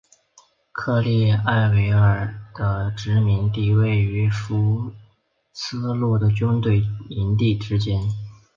科利埃尔塔维人的殖民地位于福斯路的军队营地之间。